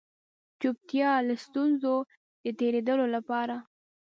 چوپتيا له ستونزو د تېرېدلو لپاره